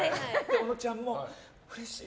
小野ちゃんもうれしい！